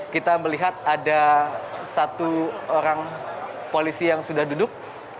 kita melihat ada satu orang polisi yang sudah duduk